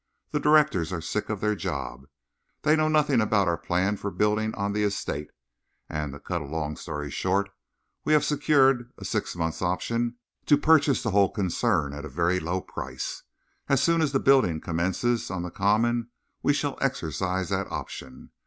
The directors are sick of their job. They know nothing about our plan for building on the estate, and, to cut a long story short, we have secured a six months' option to purchase the whole concern at a very low price. As soon as the building commences on the common, we shall exercise that option.